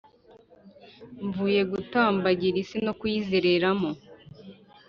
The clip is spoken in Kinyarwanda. Mvuye gutambagira isi no kuyizereramo.